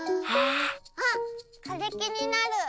あっ、あれ気になる。